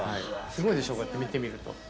すごいでしょこうやって見てみると。